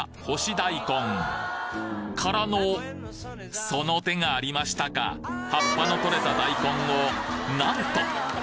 干し大根！からのその手がありましたか葉っぱの取れた大根をなんと！